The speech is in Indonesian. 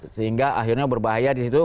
sehingga akhirnya berbahaya di situ